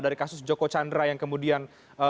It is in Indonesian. dari kasus joko chandra yang kemudian